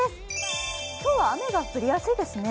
今日は雨が降りやすいですね。